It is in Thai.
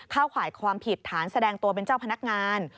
ข่ายความผิดฐานแสดงตัวเป็นเจ้าพนักงาน